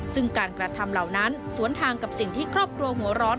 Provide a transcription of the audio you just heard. ซึ่งการกระทำเหล่านั้นสวนทางกับสิ่งที่ครอบครัวหัวร้อน